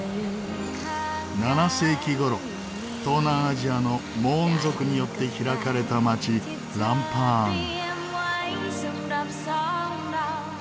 ７世紀頃東南アジアのモーン族によって開かれた町ランパーン。